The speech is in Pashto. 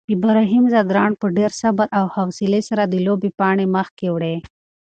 ابراهیم ځدراڼ په ډېر صبر او حوصلې سره د لوبې پاڼۍ مخکې وړي.